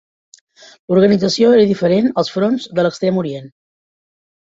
L'organització era diferent als fronts de l'Extrem Orient.